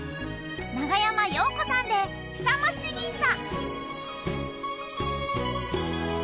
長山洋子さんで『下町銀座』。